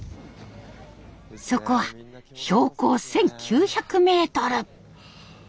そこは標高１，９００メートル。